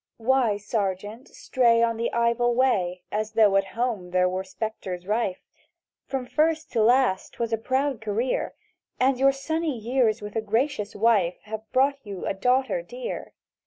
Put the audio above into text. "WHY, Sergeant, stray on the Ivel Way, As though at home there were spectres rife? From first to last 'twas a proud career! And your sunny years with a gracious wife Have brought you a daughter dear.